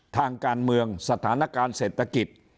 ทางการเมืองสถานการณ์เศรษฐกิจ